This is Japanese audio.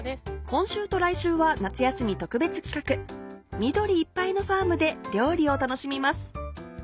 今週と来週は夏休み特別企画緑いっぱいのファームで料理を楽しみます